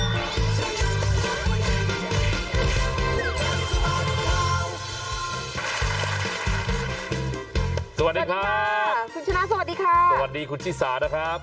สวัสดีครับคุณชนะสวัสดีค่ะสวัสดีคุณชิสานะครับ